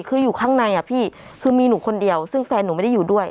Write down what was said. คืออยู่ข้างในอ่ะพี่คือมีหนูคนเดียวซึ่งแฟนหนูไม่ได้อยู่ด้วย